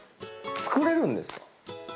作れるんです。